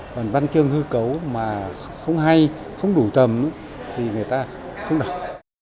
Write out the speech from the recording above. còn văn chương hư cấu mà không hay không đủ tầm thì người ta không đọc